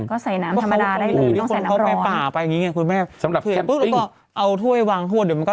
เออไม่แต่บางคนไม่รู้จริงจริงอ่ะ